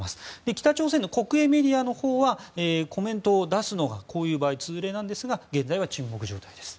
北朝鮮の国営メディアのほうはコメントを出すのがこういう場合は通例なんですが現在は沈黙状態です。